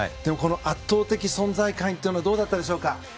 圧倒的存在感というのはいかがだったでしょうか。